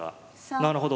なるほど。